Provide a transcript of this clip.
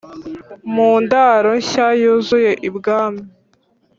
mundaro nshya yuzuye ibwami